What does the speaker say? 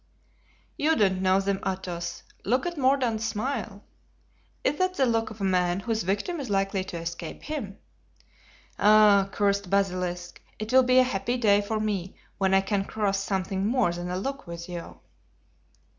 "You don't know them. Athos, look at Mordaunt's smile. Is that the look of a man whose victim is likely to escape him? Ah, cursed basilisk, it will be a happy day for me when I can cross something more than a look with you."